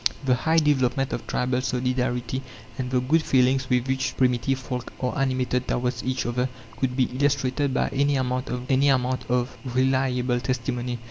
The high development of tribal solidarity and the good feelings with which primitive folk are animated towards each other, could be illustrated by any amount of reliable testimony.